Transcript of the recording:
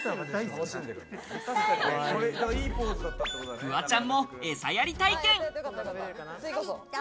フワちゃんもえさやり体験。